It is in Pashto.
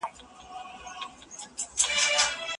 په اسلام کي شخصي ازادي سته.